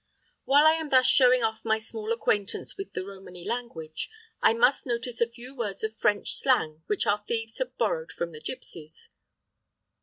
While I am thus showing off my small acquaintance with the Romany language, I must notice a few words of French slang which our thieves have borrowed from the gipsies.